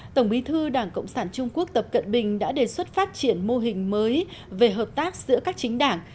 tổng bí thư đảng cộng sản trung quốc tập cận bình đã đề xuất phát triển mô hình mới về hợp tác giữa các chính đảng